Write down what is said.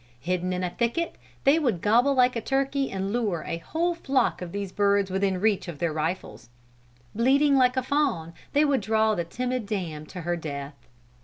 Hidden in a thicket they would gobble like a turkey and lure a whole flock of these birds within reach of their rifles. Bleating like the fawn they would draw the timid dam to her death.